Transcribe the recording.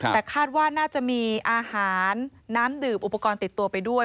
แต่คาดว่าน่าจะมีอาหารน้ำดื่มอุปกรณ์ติดตัวไปด้วย